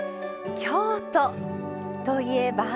京都といえば。